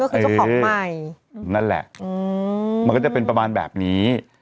ก็คือเจ้าของใหม่นั่นแหละมันก็จะเป็นประมาณแบบนี้